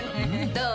どう？